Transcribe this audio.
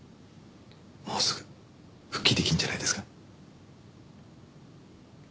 もうすぐ復帰出来るんじゃないですか？